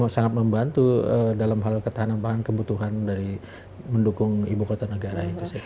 sangat membantu dalam hal ketahanan pangan kebutuhan dari mendukung ibu kota negara itu